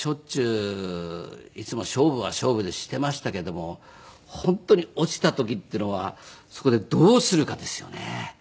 いつも勝負は勝負でしていましたけれども本当に落ちた時っていうのはそこでどうするかですよね。